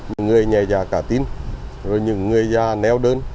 những người nhà già cả tin những người già neo đơn